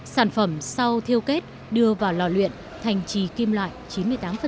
sản phẩm sau thiêu kết đưa vào lò luyện thành trì kim loại chín mươi tám